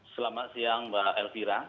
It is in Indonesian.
selamat siang mbak elvira